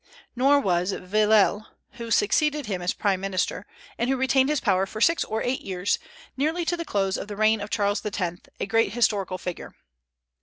Nor was Villèle, who succeeded him as prime minister, and who retained his power for six or eight years, nearly to the close of the reign of Charles X., a great historical figure.